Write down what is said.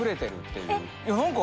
いや何か。